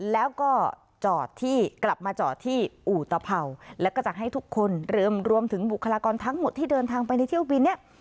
แล้วก็จอดที่กลับมาจอดที่อุตเผ่าแล้วก็จะให้ทุกคนรวมถึงบุคลากรทั้งหมดที่เดินทางไปในเที่ยวบินเนี่ย